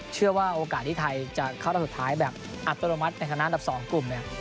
เชื่อว่าโอกาสที่ไทยจะเข้ารอบสุดท้ายแบบอัตโนมัติในฐานะอันดับ๒กลุ่มเนี่ย